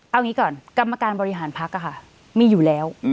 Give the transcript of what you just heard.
เอางี้ก่อนกรรมการบริหารพักมีอยู่แล้ว